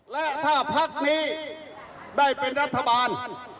และถ้าพักนี้ได้เป็นรัฐบาล